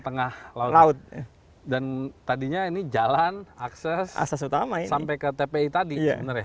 kebun melati dan tambak ikan